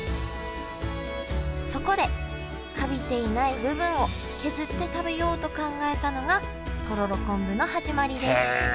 そこでカビていない部分を削って食べようと考えたのがとろろ昆布の始まりです